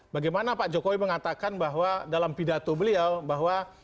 bagaimana pak jokowi mengatakan bahwa dalam pidato beliau bahwa